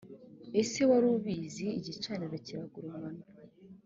ese wari ubizi ? igicaniro kiragurumana